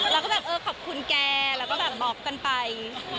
แล้วก็แบบเออขอบคุณแกแล้วก็แบบบล็อกกันไป